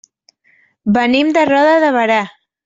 Venim de Roda de Berà.